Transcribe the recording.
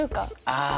ああ。